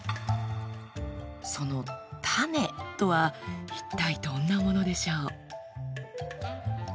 その種とは一体どんなものでしょう？